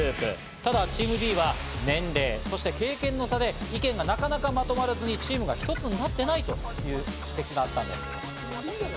ただチームＢは年齢、そして経験の差で意見がなかなかまとまらず、チームがひとつになっていないという問題があるんです。